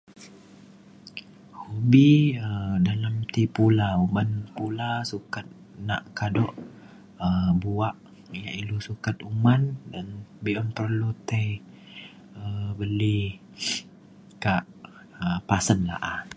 kumbi um dalem ti pula. uban pula sukat nak kado um buak yak ilu sukat uman ngan be’un perlu tai um beli kak um pasen la’a